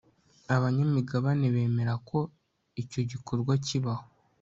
abanyamigabane bemera ko icyo gikorwa kibaho